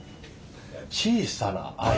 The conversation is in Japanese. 「小さな愛」。